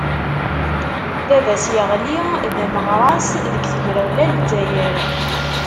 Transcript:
Baba-s, yeɣli d ameɣras deg tegrawla n Lezzayer.